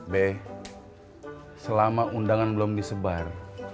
b selama undangan belum disebar